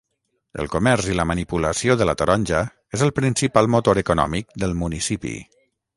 El comerç i la manipulació de la taronja és el principal motor econòmic del municipi.